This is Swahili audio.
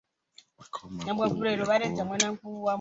Makao makuu yako Wote.